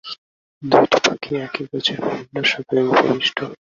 দুইটি পাখী একই গাছের বিভিন্ন শাখায় উপবিষ্ট।